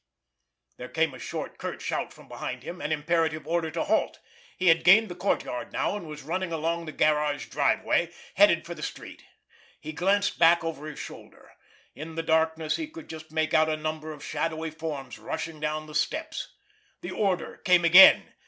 There came a short, curt shout from behind him, an imperative order to halt. He had gained the courtyard now, and was running along the garage driveway, heading for the street. He glanced back over his shoulder. In the darkness he could just make out a number of shadowy forms rushing down the steps. The order came again.